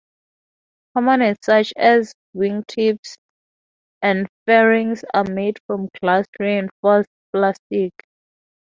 Components such as wingtips and fairings are made from glass-reinforced plastic.